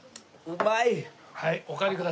うまい！